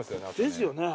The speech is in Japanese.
ですよね。